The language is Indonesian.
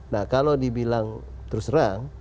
nah kalau dibilang terserang